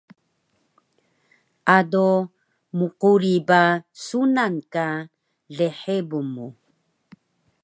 ado mquri ba sunan ka lhebun mu